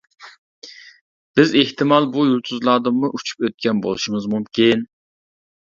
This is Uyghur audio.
بىز ئېھتىمال بۇ يۇلتۇزلاردىنمۇ ئۇچۇپ ئۆتكەن بولۇشىمىز مۇمكىن.